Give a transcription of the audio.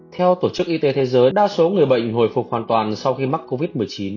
theo tổ chức y tế thế giới đa số người bệnh hồi phục hoàn toàn sau khi mắc covid một mươi chín